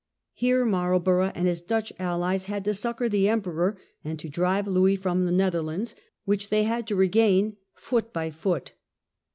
Here Marlborough and his Dutch allies had to succour the Emperor, and to drive Louis from the Netherlands, which they had to regain foot by foot.